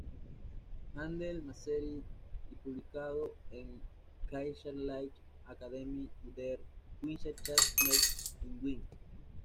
Handel-Mazzetti y publicado en "Kaiserliche Akademie der Wissenschaften in Wien.